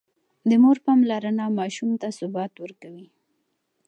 د مور پاملرنه ماشوم ته ثبات ورکوي.